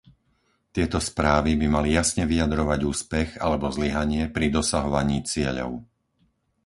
Tieto správy by mali jasne vyjadrovať úspech alebo zlyhanie pri dosahovaní cieľov.